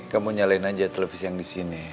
kamu nyalain aja televisi yang disini